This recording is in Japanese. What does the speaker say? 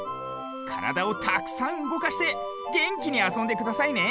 からだをたくさんうごかしてげんきにあそんでくださいね！